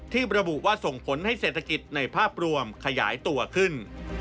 ระบุว่าส่งผลให้เศรษฐกิจในภาพรวมขยายตัวขึ้น